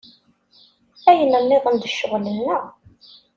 Ayen nniḍen d ccɣel-nneɣ.